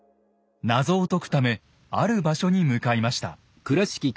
謎を解くためある場所に向かいました。